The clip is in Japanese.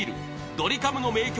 ドリカムの名曲